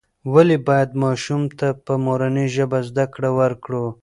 ولې باید ماشوم ته په مورنۍ ژبه زده کړه ورکړو؟